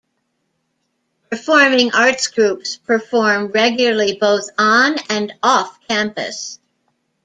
Performing arts groups perform regularly both on and off campus.